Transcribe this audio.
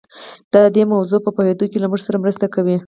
دا د دې موضوع په پوهېدو کې له موږ سره مرسته کوي.